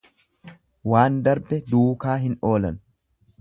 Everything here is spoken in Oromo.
Waan darbe duukaa hin oolan.